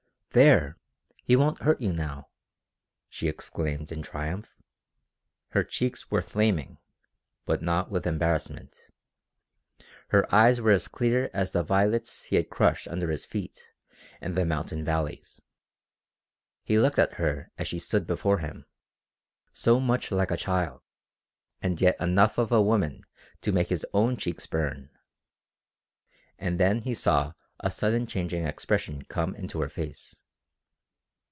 "There; he won't hurt you now!" she exclaimed in triumph. Her cheeks were flaming, but not with embarrassment. Her eyes were as clear as the violets he had crushed under his feet in the mountain valleys. He looked at her as she stood before him, so much like a child, and yet enough of a woman to make his own cheeks burn. And then he saw a sudden changing expression come into her face.